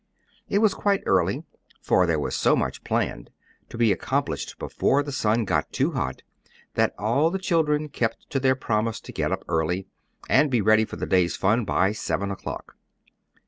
It was quite early, for there was so much planned, to be accomplished before the sun got too hot, that all the children kept to their promise to get up early, and be ready for the day's fun by seven o'clock.